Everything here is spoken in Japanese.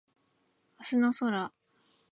明日の空